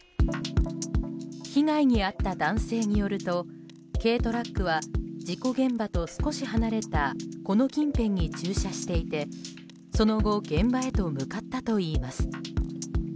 被害に遭った男性によると軽トラックは事故現場と少し離れたこの近辺に駐車していてその後現場へと向かったといいます。